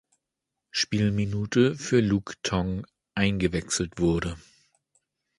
Spielminute für Luke Tongue eingewechselt wurde.